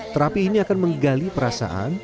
terapi ini akan menggali perasaan